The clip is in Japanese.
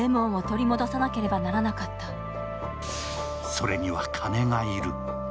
それには金が要る。